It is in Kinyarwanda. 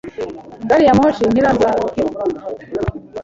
Gari ya mohi ntirazactld